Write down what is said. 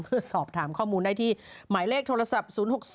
เพื่อสอบถามข้อมูลได้ที่หมายเลขโทรศัพท์๐๖๐